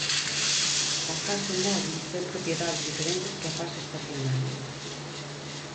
A fase móbil ten propiedades diferentes que a fase estacionaria.